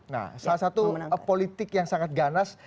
nah salah satu politik yang sangat ganas